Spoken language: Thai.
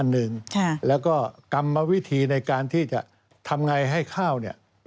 อันนึงแล้วก็กรรมวิธีในการที่จะทำไงให้ข้าว